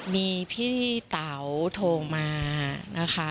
มีพี่เต๋าโทรมานะคะ